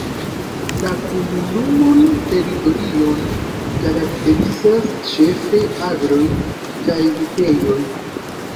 La komunumon teritorion karakterizas ĉefe agroj kaj vitejoj.